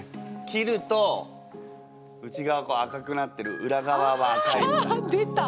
切ると内側赤くなってる裏側は赤いみたいな。出た！